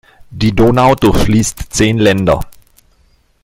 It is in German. Die Donau durchfließt zehn Länder.